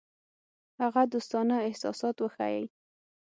هغه دوستانه احساسات وښيي.